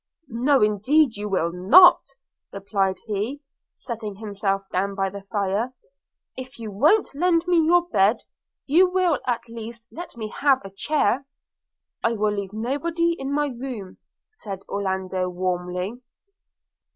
'No, indeed you will not!' replied he, setting himself down by the fire. 'If you won't lend me your bed, you will at least let me have a chair.' 'I will leave nobody in my room,' said Orlando warmly.